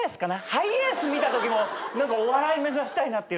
ハイエース見たときも何かお笑い目指したいなっていう。